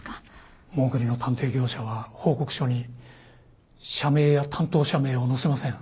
もぐりの探偵業者は報告書に社名や担当者名を載せません。